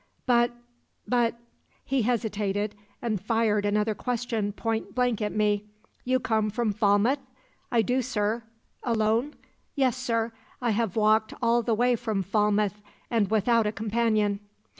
But but ' He hesitated, and fired another question point blank at me: 'You come from Falmouth?' "'I do, sir.' "'Alone?' "'Yes, sir. I have walked all the way from Falmouth, and without a companion.'